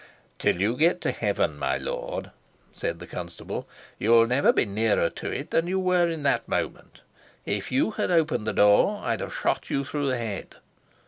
"Till you get to heaven, my lord," said the constable, "you'll never be nearer to it than you were in that moment. If you had opened the door, I'd have shot you through the head."